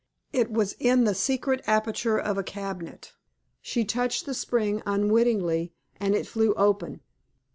It was in the secret aperture of a cabinet. She touched the spring unwittingly, and it flew open."